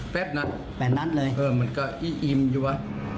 แป๊บนัดมันก็อิ่มอยู่วะ